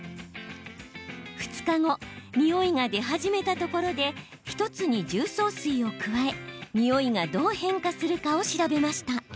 ２日後ニオイが出始めたところで１つに重曹水を加え、ニオイがどう変化するかを調べました。